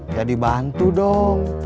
ya dibantu dong